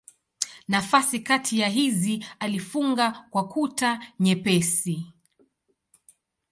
Nafasi kati ya hizi alifunga kwa kuta nyepesi.